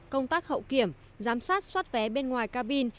công tác hậu kiểm giám sát xoát vé bên ngoài cabin